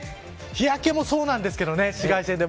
日焼けもそうなんですけどね紫外線で。